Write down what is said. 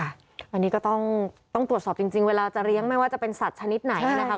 อันนี้ก็ต้องตรวจสอบจริงเวลาจะเลี้ยงไม่ว่าจะเป็นสัตว์ชนิดไหนนะครับ